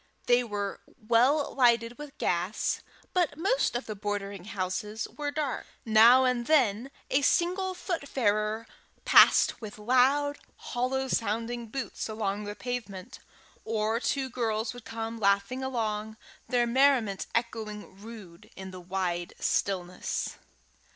They were well lighted with gas, but most of the bordering houses were dark. Now and then a single foot farer passed with loud, hollow sounding boots along the pavement; or two girls would come laughing along, their merriment echoing rude in the wide stillness.